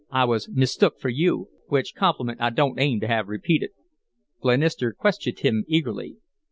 I was mistook for you, which compliment I don't aim to have repeated." Glenister questioned him eagerly.